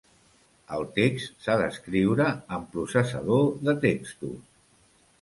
El text s'ha d'escriure amb processador de textos.